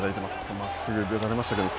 このまっすぐ出られましたけど。